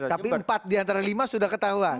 tapi empat di antara lima sudah ketahuan